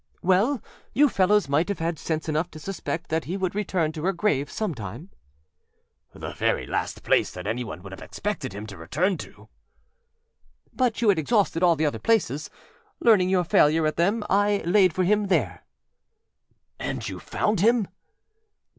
â âWell, you fellows might have had sense enough to suspect that he would return to her grave some time.â âThe very last place that anyone would have expected him to return to.â âBut you had exhausted all the other places. Learning your failure at them, I âlaid for himâ there.â âAnd you found him?